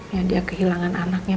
ya dia kehilangan anaknya